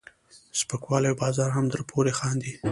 سپکوالی او بازار هم درپورې خاندي.